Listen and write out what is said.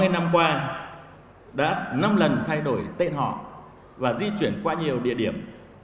hai mươi năm qua đã năm lần thay đổi tên họ và di chuyển qua nhiều địa điểm